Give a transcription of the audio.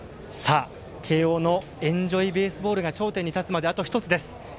慶応の「エンジョイベースボール」が頂点に立つまであと１つです。